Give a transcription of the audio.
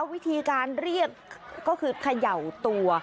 วิธีการเรียกก็คือเขย่าตัว